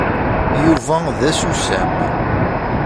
Yuba d asusam.